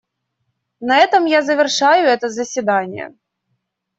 На этом я завершаю это заседание.